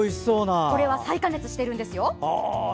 これ再加熱しているんですよ。